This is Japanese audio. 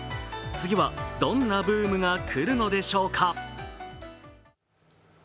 次はどんなブームが来るのでしょうか。